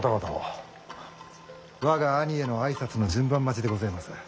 我が兄への挨拶の順番待ちでごぜます。